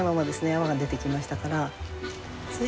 泡が出てきましたから。